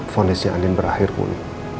finds andin berakhir pun